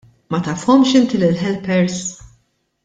Ma tafhomx inti lill-helpers?